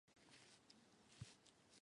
张骘开始是段业的属官。